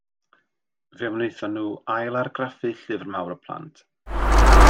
Fe wnaethon nhw ailargraffu Llyfr Mawr y Plant.